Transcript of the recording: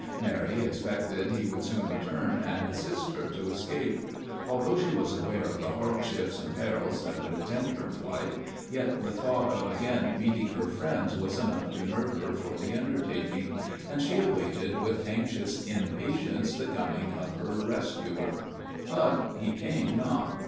Mary expected he would soon return and assist her to escape. Although she was aware of the hardships and perils that would attend her flight, yet the thought of again meeting her friends was enough to nerve her for the undertaking, and she waited with anxious impatience the coming of her rescuer. But he came not.